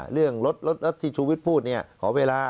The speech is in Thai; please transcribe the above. เรื่องรถที่ชูวิทย์พูดขอเวลา